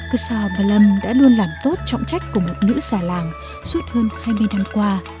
kusaw palam đã luôn làm tốt trọng trách của một nữ già làng suốt hơn hai mươi năm qua